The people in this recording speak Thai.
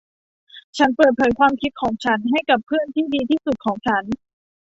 ฉันเปิดเผยความคิดของฉันให้กับเพื่อนที่ดีที่สุดของฉัน